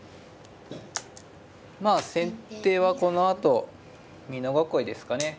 まあ先手はこのあと美濃囲いですかね。